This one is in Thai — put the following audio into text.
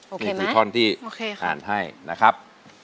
โอเคไหมนี่คือท่อนที่อ่านให้นะครับ